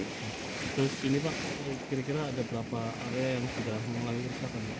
terus ini pak kira kira ada berapa area yang sudah mengalir